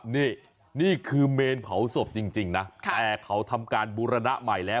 นี่นี่คือเมนเผาศพจริงนะแต่เขาทำการบูรณะใหม่แล้ว